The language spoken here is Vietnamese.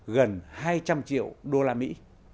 gần hai trăm linh triệu đô la mỹ